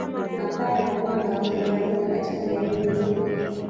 apare wa Mwanga wamegawanyika katika jamii mbili